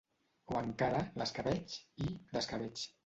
O encara «l'escabetx» i «les que veig».